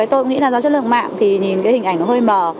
tôi nghĩ do chất lượng mạng hình ảnh hơi mờ